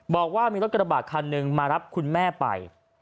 บอกว่ามีรถกระบะคันหนึ่งมารับคุณแม่ไป